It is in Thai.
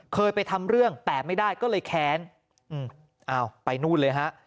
เคยไปทำเรื่องแต่ไม่ได้ก็เลยแค้นอืมอ้าวไปนู่นเลยฮะ